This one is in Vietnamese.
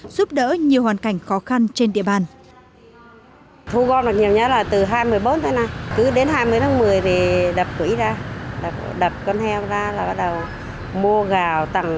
giúp đỡ nhiều hoàn cảnh khó khăn trên địa bàn